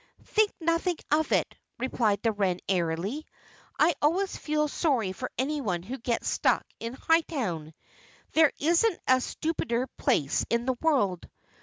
"Think nothing of it," replied the wren airily. "I always feel sorry for anyone who gets stuck in Hightown. There isn't a stupider place in the world.